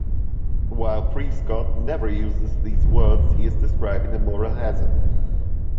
While Prescott never uses these words he is describing a moral hazard.